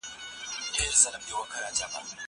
زه به سبا د کتابتون پاکوالی وکړم!